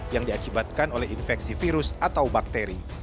yang diakibatkan oleh infeksi virus atau bakteri